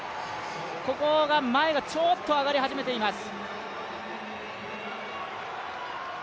ここが前がちょっと上がり始めています。